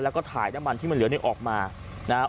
แล้วก็ถ่ายน้ำมันที่มันเหลือเนี่ยออกมานะครับ